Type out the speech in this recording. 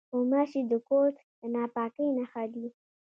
غوماشې د کور د ناپاکۍ نښه دي.